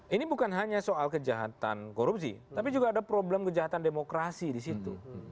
itu bukan hanya soal kejahatan korupsi tapi juga ada problem kejahatan demokrasi disitu